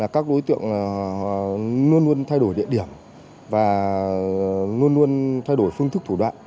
các đối tượng luôn luôn thay đổi địa điểm và luôn luôn thay đổi phương thức thủ đoạn